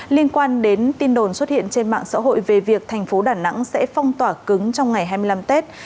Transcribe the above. liên quan đến tin đồn xuất hiện trên mạng xã hội về việc thành phố đà nẵng sẽ phong tỏa cứng trong ngày hai mươi năm tết